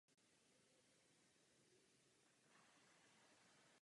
Díky kontaktu s mimozemskou civilizací mohlo lidstvo osídlit planetu Mars.